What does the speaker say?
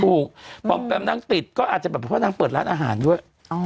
ปุฉญกาแล้วเต็มติดก็อาจจะแบบว่านางเปิดร้านอาหารด้วย